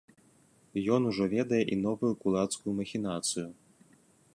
Ён ужо ведае і новую кулацкую махінацыю.